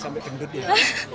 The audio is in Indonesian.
sampai gendut ya